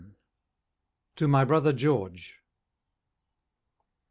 TO MY BROTHER GEORGE.